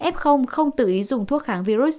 f không tự ý dùng thuốc kháng virus